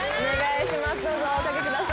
どうぞお掛けください。